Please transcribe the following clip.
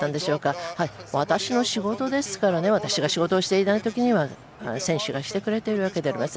私の仕事ですから私が仕事をしていない時は選手がしてくれているわけです。